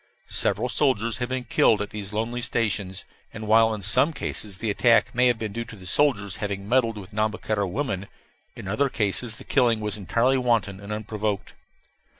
Several soldiers have been killed at these little lonely stations; and while in some cases the attack may have been due to the soldiers having meddled with Nhambiquara women, in other cases the killing was entirely wanton and unprovoked.